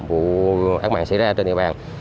vụ án mạng xảy ra trên địa bàn